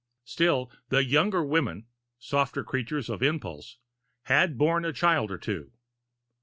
Still the younger women, softer creatures of impulse, had borne a child or two.